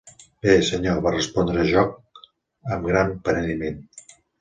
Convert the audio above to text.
Bé, senyor, va respondre Jock amb gran penediment.